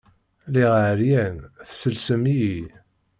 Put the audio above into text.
Lliɣ ɛeryan, tesselsem-iyi.